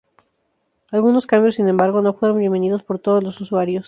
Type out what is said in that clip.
Algunos cambios, sin embargo, no fueron bienvenidos por todos los usuarios.